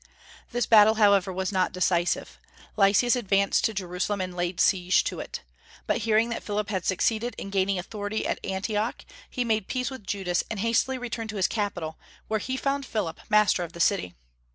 This battle however was not decisive. Lysias advanced to Jerusalem and laid siege to it. But hearing that Philip had succeeded in gaining authority at Antioch, he made peace with Judas, and hastily returned to his capital, where he found Philip master of the city.